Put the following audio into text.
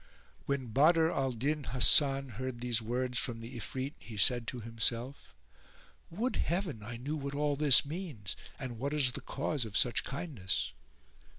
When Badr al Din Hasan heard these words from the Ifrit he said to himself, "Would Heaven I knew what all this means and what is the cause of such kindness!"